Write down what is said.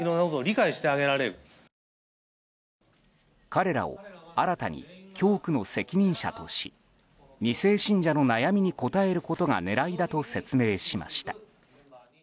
彼らを新たに教区の責任者とし２世信者の悩みに応えることが狙いだと説明しました。